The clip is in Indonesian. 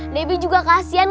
debi juga kasian